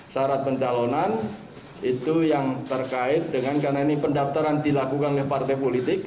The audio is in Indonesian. syarat pencalonan itu yang terkait dengan karena ini pendaftaran dilakukan oleh partai politik